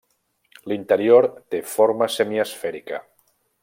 L'interior té forma semiesfèrica.